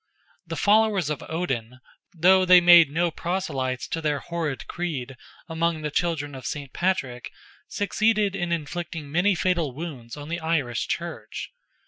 The followers of Odin, though they made no proselytes to their horrid creed among the children of St. Patrick, succeeded in inflicting many fatal wounds on the Irish Church.